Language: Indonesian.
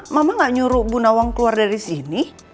mama gak nyuruh bu nawang keluar dari sini